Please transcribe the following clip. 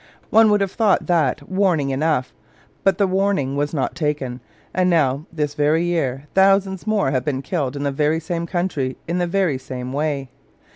One would have thought that warning enough: but the warning was not taken: and now, this very year, thousands more have been killed in the very same country, in the very same way.